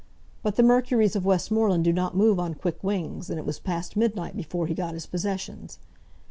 But the Mercuries of Westmoreland do not move on quick wings, and it was past midnight before he got his possessions.